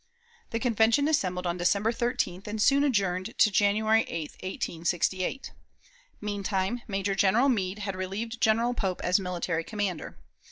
The Convention assembled on December 13th, and soon adjourned to January 8, 1868. Meantime, Major General Meade had relieved General Pope as military commander.